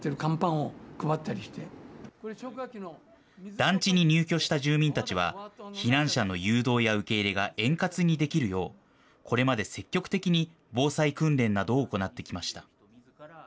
団地に入居した住民たちは、避難者の誘導や受け入れが円滑にできるよう、これまで積極的に防災訓練などを行ってきました。